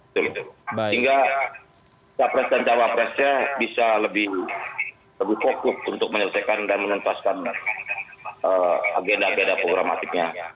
sehingga capres dan cawapresnya bisa lebih fokus untuk menyelesaikan dan menuntaskan agenda agenda programatiknya